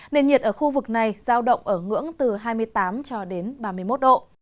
nền nhiệt ở khu vực này giao động ở ngưỡng từ hai mươi tám ba mươi một độ